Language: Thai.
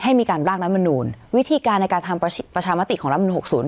ให้มีการรากร้านมนุนวิธีการในการทำประชามาติของร้านมนุน๖๐